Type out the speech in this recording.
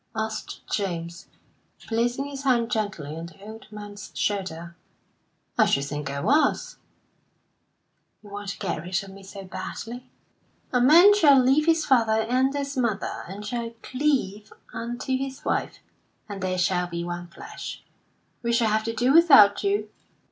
asked James, placing his hand gently on the old man's shoulder. "I should think I was." "You want to get rid of me so badly?" "'A man shall leave his father and his mother, and shall cleave unto his wife; and they shall be one flesh.' We shall have to do without you."